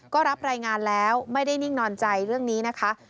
ก็รับรายงานแล้วไม่ได้นิ่งนอนใจเรื่องนี้นะคะ